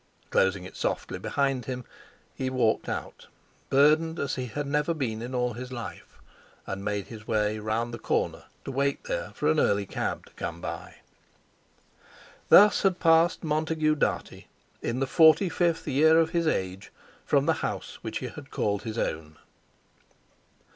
Closing it softly behind him, he walked out, burdened as he had never been in all his life, and made his way round the corner to wait there for an early cab to come by. Thus had passed Montague Dartie in the forty fifth year of his age from the house which he had called his own.